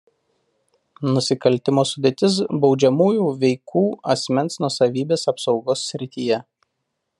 Nusikaltimo sudėtis baudžiamųjų veikų asmens nuosavybės apsaugos srityje.